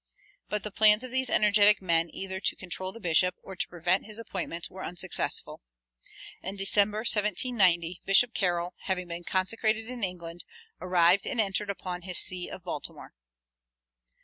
But the plans of these energetic men either to control the bishop or to prevent his appointment were unsuccessful. In December, 1790, Bishop Carroll, having been consecrated in England, arrived and entered upon his see of Baltimore.